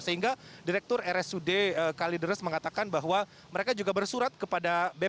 sehingga direktur rsud kalideres mengatakan bahwa mereka juga bersurat kepada bpjs